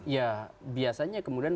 ya biasanya kemudian